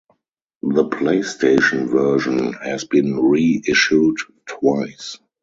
The PlayStation version has been re-issued twice.